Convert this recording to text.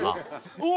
うわ！